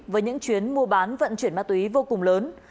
với những chuyến mua bán vận chuyển ma túy vô cùng lớn